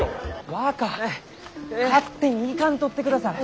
若勝手に行かんとってください！